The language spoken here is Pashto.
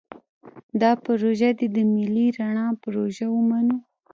دا پروژه دې د ملي رڼا پروژه ومنو.